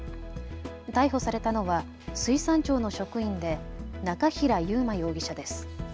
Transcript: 逮捕されたのは水産庁の職員で中平優馬容疑者です。